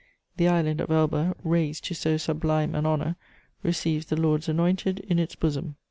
The island of Elba, raised to so sublime an honour, receives the Lord's Anointed in its bosom.